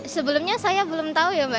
sebelumnya saya belum tahu ya mbak